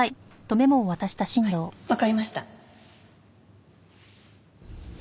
わかりました。